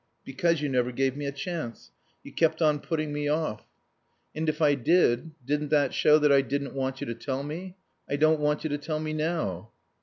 "Because you never gave me a chance. You kept on putting me off." "And if I did, didn't that show that I didn't want you to tell me? I don't want you to tell me now."